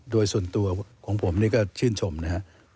โดยส่วนตัวของผมนี่ก็ชื่นชมนะครับ